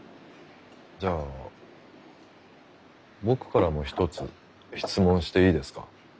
じゃあ僕からも一つ質問していいですか？